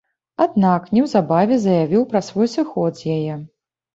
Аднак, неўзабаве заявіў пра свой сыход з яе.